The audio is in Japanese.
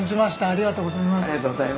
ありがとうございます。